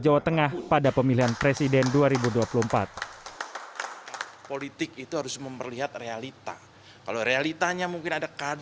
jawa tengah pada pemilihan presiden dua ribu dua puluh empat